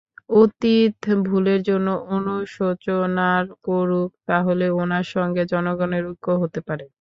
অতীত ভুলের জন্য অনুশোচনার করুক, তাহলে ওনার সঙ্গে জনগণের ঐক্য হতে পারে।